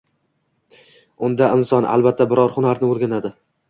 Unda inson, albatta, biror hunarni o‘rganadi.